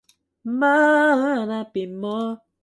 It presents the same decoration on its four sides.